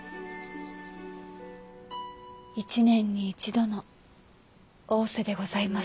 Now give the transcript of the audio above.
一年に一度の逢瀬でございます。